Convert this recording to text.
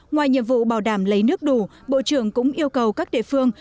ngoài nhiệm vụ bảo đảm lấy nước đủ bộ trưởng cũng yêu cầu các địa phương